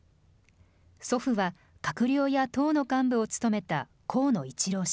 祖父は閣僚や党の幹部を務めた河野一郎氏。